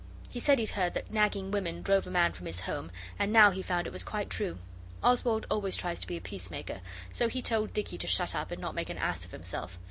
He said he'd heard that nagging women drove a man from his home, and now he found it was quite true. Oswald always tries to be a peacemaker, so he told Dicky to shut up and not make an ass of himself.